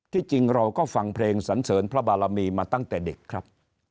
จริงเราก็ฟังเพลงสันเสริญพระบารมีมาตั้งแต่เด็กครับ